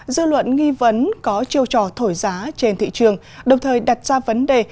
dư luận nghi vấn có chiêu trò thổi giá trên thị trường đồng thời đặt ra vấn đề